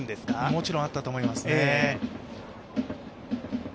もちろんあったと思いますね。